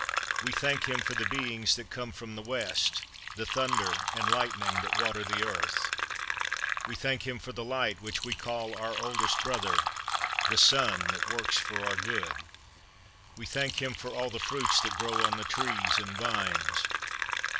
We thank Him for the beings that come from the west, the thunder and lightning that water the earth. We thank Him for the light which we call our oldest brother, the sun that works for our good. We thank Him for all the fruits that grow on the trees and vines.